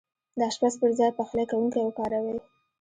د اشپز پر ځاي پخلی کونکی وکاروئ